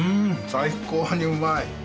最高にうまい！